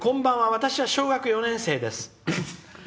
私は小学４年生です。